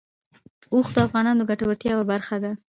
اوښ د افغانانو د ګټورتیا یوه برخه ده.